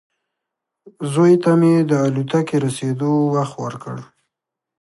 زوی ته مې د الوتکې رسېدو وخت ورکړ.